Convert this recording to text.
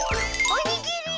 おにぎり！